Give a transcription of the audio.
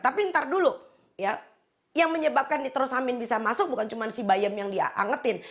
tapi ntar dulu ya yang menyebabkan nitrosamin bisa masuk bukan cuma si bayam yang diangetin